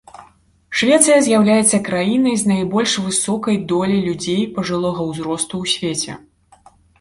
Швецыя з'яўляецца краінай з найбольш высокай доляй людзей пажылога ўзросту ў свеце.